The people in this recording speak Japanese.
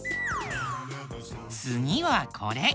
つぎはこれ。